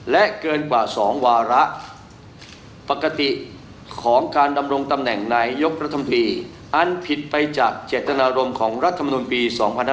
และเกินกว่า๒วาระปกติของการดำรงตำแหน่งนายยกรัฐมนตรีอันผิดไปจากเจตนารมณ์ของรัฐมนุนปี๒๕๖๒